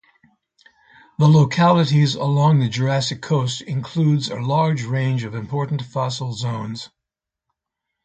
The localities along the Jurassic Coast includes a large range of important fossil zones.